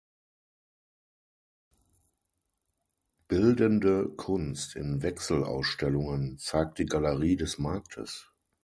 Bildende Kunst in Wechselausstellungen zeigt die Galerie des Marktes.